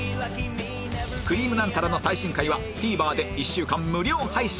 『くりぃむナンタラ』の最新回は ＴＶｅｒ で１週間無料配信